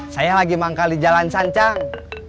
saya lagi mengangkali jalan sancang